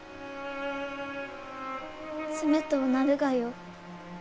冷とうなるがよ。